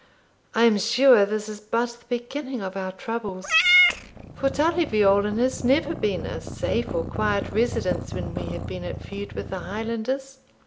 I am sure this is but the beginning of our troubles; for Tully Veolan has never been a safe or quiet residence when we have been at feud with the Highlanders.